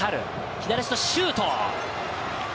左足のシュート。